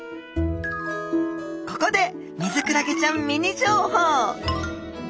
ここでミズクラゲちゃんミニ情報！